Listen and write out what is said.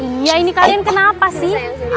iya ini kalian kenapa sih